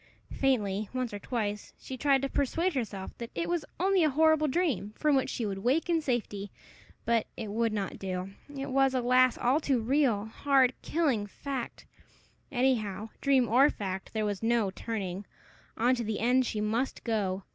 Faintly, once or twice, she tried to persuade herself that it was only a horrible dream, from which she would wake in safety; but it would not do; it was, alas! all too real hard, killing fact! Anyhow, dream or fact, there was no turning; on to the end she must go.